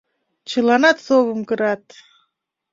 Чыланат совым кырат.